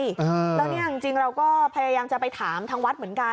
แล้วเนี่ยจริงเราก็พยายามจะไปถามทางวัดเหมือนกัน